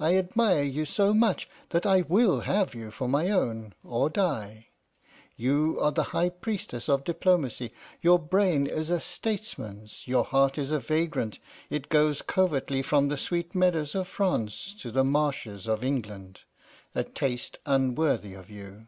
I admire you so much that I will have you for my own, or die. You are the high priestess of diplomacy; your brain is a statesman's, your heart is a vagrant; it goes covertly from the sweet meadows of France to the marshes of England, a taste unworthy of you.